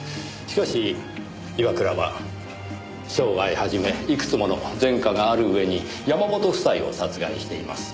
しかし岩倉は傷害はじめいくつもの前科がある上に山本夫妻を殺害しています。